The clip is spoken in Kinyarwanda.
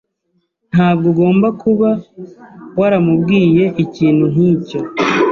Ntabwo ugomba kuba waramubwiye ikintu nkicyo.